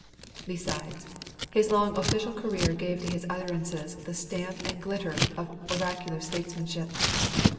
Besides, his long official career gave to his utterances the stamp and glitter of oracular statesmanship.